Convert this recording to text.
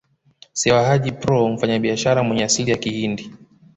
Sewa Haji Proo mfanyabiashara mwenye asili ya Kihindi